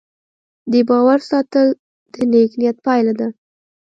د باور ساتل د نیک نیت پایله ده.